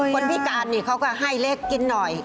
คนพิการนี่เขาก็ให้เล็กกินหน่อย